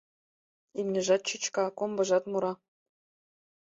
Имньыжат чӱчка, комбыжат мура